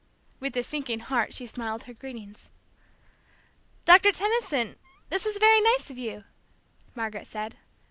With a sinking heart she smiled her greetings. "Doctor Tenison, this is very nice of you!" Margaret said.